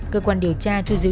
cơ quan điều tra thu giữ